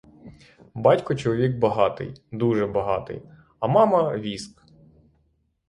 Батько чоловік багатий, дуже багатий, а мама — віск!